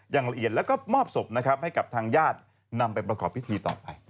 อย่างละเอียดแล้วก็มอบศพนะครับให้กับทางญาตินำไปประกอบพิธีต่อไป